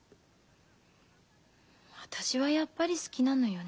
私はやっぱり好きなのよね。